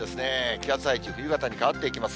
気圧配置、冬型に変わっていきます。